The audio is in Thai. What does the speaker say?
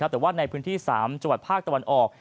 แต่ว่าในพื้นที่๓จังหวัดภาคตะวันออก